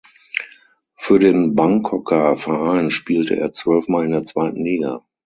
Für den Bangkoker Verein spielte er zwölfmal in der zweiten Liga.